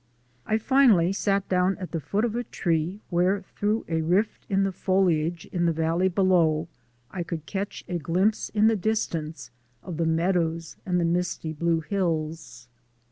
I finally sat down at the foot of a tree where through a rift in the foliage in the valley below I could catch a glimpse in the distance of the meadows and the misty blue hills.